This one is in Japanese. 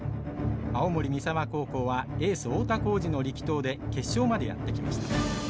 青森三沢高校はエース太田幸司の力投で決勝までやって来ました。